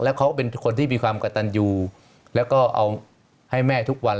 แล้วเขาเป็นคนที่มีความกระตันอยู่แล้วก็เอาให้แม่ทุกวัน